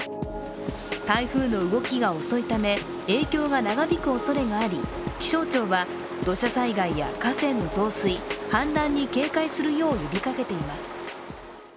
台風の動きが遅いため、影響が長引くおそれがあり気象庁は土砂災害や河川の増水、氾濫に警戒するよう呼びかけています。